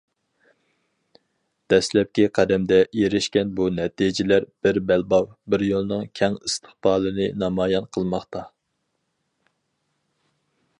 دەسلەپكى قەدەمدە ئېرىشكەن بۇ نەتىجىلەر بىر بەلباغ، بىر يولنىڭ كەڭ ئىستىقبالىنى نامايان قىلماقتا.